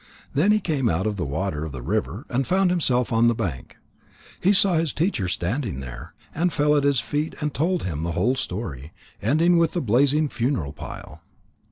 Then he came out of the water of the river, and found himself on the bank. He saw his teacher standing there, and fell at his feet, and told him the whole story, ending with the blazing funeral pile.